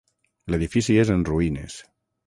L'edifici és en ruïnes.